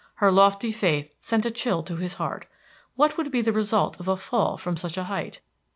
Her lofty faith sent a chill to his heart. What would be the result of a fall from such a height?